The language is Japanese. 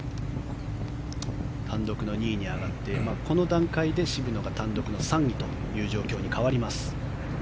単独の２位に上がってこの段階で渋野が単独の３位という状況に変わります。